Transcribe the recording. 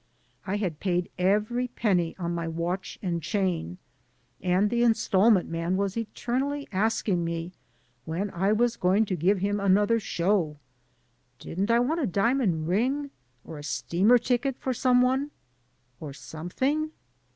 I had paid every penny on my watch and chain, and the instalment man was eter nally asking me when I was going to give him another "show." Didn't I want a diamond ring or a steamer ticket for some one? Or something?